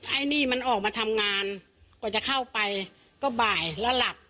ไอ้นี่มันออกมาทำงานกว่าจะเข้าไปก็บ่ายแล้วหลับ